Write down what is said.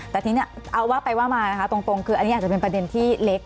แต่ทีนี้เอาว่าไปว่ามานะคะตรงคืออันนี้อาจจะเป็นประเด็นที่เล็ก